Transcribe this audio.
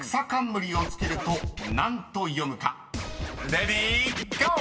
［レディーゴー！］